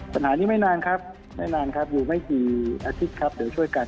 ปัญหานี้ไม่นานครับไม่นานครับอยู่ไม่กี่อาทิตย์ครับเดี๋ยวช่วยกัน